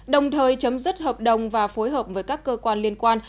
đồng thời chấm dứt hợp đồng và phối hợp với các cơ quan liên quan